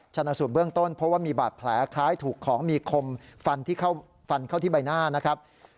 ชนะสูตรเบื้องต้นเพราะว่ามีบาดแผลคล้ายถูกของมีคมฟันที่ฟันเข้าที่ใบหน้านะครับ